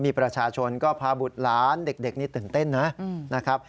มีประชาชนก็พาบุตรหลานเด็กนี่ตื่นเต้นนะครับ